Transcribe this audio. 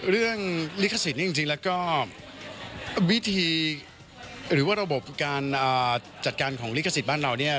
ลิขสิทธิ์จริงแล้วก็วิธีหรือว่าระบบการจัดการของลิขสิทธิ์บ้านเราเนี่ย